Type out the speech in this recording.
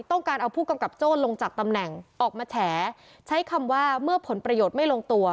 ต้องการเอาผู้กำกับโจ้ลงจากตำแหน่งออกมาแฉใช้คำว่าเมื่อผลประโยชน์ไม่ลงตัว